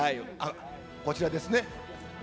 こちらですね。